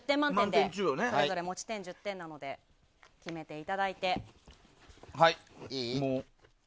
それぞれ持ち点１０点で決めていただいて。